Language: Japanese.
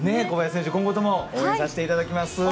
小林選手、今後とも応援させていただきます。